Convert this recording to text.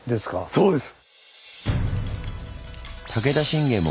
そうです。